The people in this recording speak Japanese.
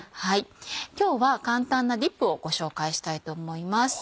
今日は簡単なディップをご紹介したいと思います。